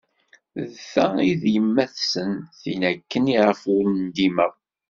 D ta i d yemmat-nsen, tin akken i ɣef ur ndimeɣ.